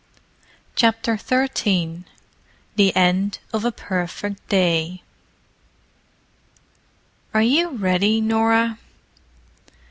CHAPTER XIII THE END OF A PERFECT DAY "Are you ready, Norah?"